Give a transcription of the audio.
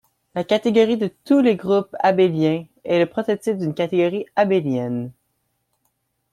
La catégorie de tous les groupes abéliens est le prototype d'une catégorie abélienne.